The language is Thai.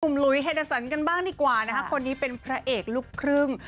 หลุยเฮดาสันกันบ้างดีกว่านะคะคนนี้เป็นพระเอกลูกครึ่ง